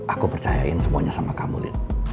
aku percayain semuanya sama kamu lihat